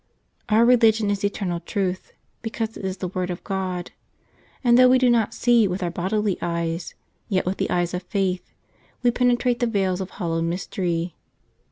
Our religion is eternal truth, because it is the word of God; and though we do not see with our bodily eyes, yet with the eyes of faith we penetrate the veils of hallowed mystery.